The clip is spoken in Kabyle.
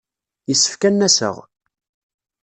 Yessefk ad n-aseɣ.